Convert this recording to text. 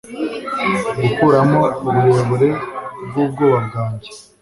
Gukuramo uburebure bwubwoba bwanjye